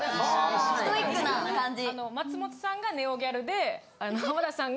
・ストイックな感じ・